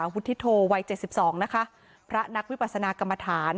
วุฒิโทวัยเจ็ดสิบสองนะคะพระนักวิปสนากรรมฐาน